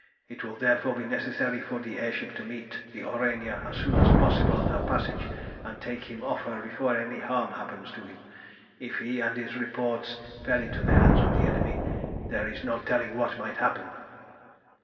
It will therefore be necessary for the air ship to meet the Aurania as soon as possible on her passage, and take him off her before any harm happens to him. If he and his reports fell into the hands of the enemy, there is no telling what might happen."